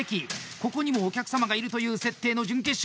ここにもお客様がいるという設定の準決勝